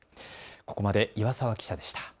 ここまで岩澤記者でした。